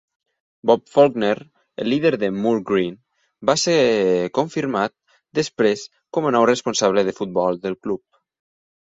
Bob Faulkner, el líder de Moor Green, va ser confirmar després com a nou responsable de futbol del club.